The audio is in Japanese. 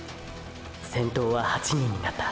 先頭は８人になった。